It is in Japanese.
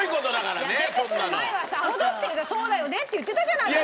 そんなの。出てくる前はさほどっていうかそうだよねって言ってたじゃないですか！